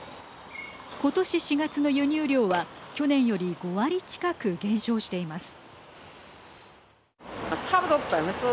ことし４月の輸入量は去年より５割近く減少しています。